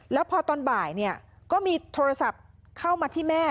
แล้วพอตอนบ่ายก็มีโทรศัพท์เข้ามาที่แม่